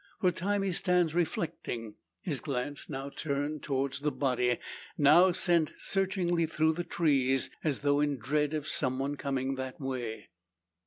For a time he stands reflecting his glance now turned towards the body, now sent searchingly through the trees, as though in dread of some one coming that way.